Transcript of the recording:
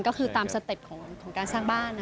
ก็คือตามสเต็ปของการสร้างบ้าน